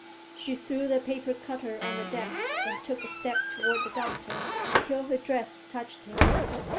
She threw the paper cutter on the desk and took a step toward the doctor, until her dress touched him.